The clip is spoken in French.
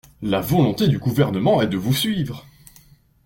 La volonté du Gouvernement est de vous suivre.